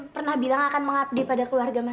pernah bilang akan mengabdi pada keluarga mas